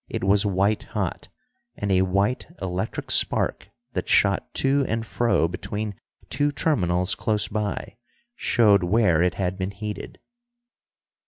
It was white hot, and a white electric spark that shot to and fro between two terminals close by, showed where it had been heated.